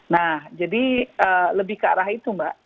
nah jadi lebih ke arah itu mbak